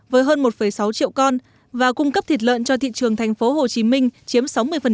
với hơn một sáu triệu con và cung cấp thịt lợn cho thị trường thành phố hồ chí minh chiếm sáu mươi